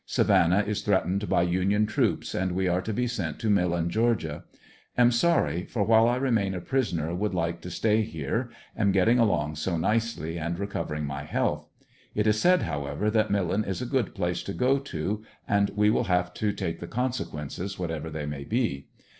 Savannah is threatened by Union troops, and we are to be sent to Millen, Ga. Am sorry, for while I remain a prisoner would like to stay here, am getting along so nicely and recovering my health. It is said, however, that Millen is a good place to go to, and we will have to take the consequences whatever they may be.